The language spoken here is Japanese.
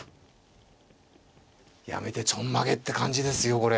やめてちょんまげって感じですよこれ。